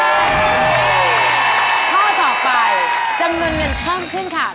ข้อต่อไปจำนวนเงินเพิ่มขึ้นค่ะ